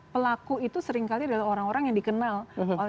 pelaku itu seringkali dari orang orang yang dikenal oleh anak